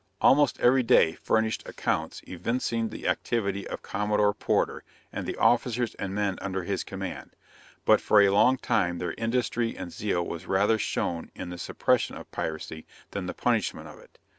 Almost every day furnished accounts evincing the activity of Commodore Porter, and the officers and men under his command; but for a long time their industry and zeal was rather shown in the suppression of piracy than the punishment of it.